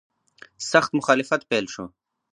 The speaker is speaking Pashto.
سخت مخالفت پیل شو.